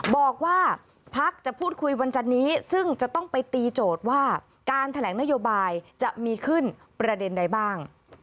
บอกว่าพักจะพูดคุยวันจันนี้ซึ่งจะต้องไปตีโจทย์ว่าการแถลงนโยบายจะมีขึ้นประเด็นใดบ้าง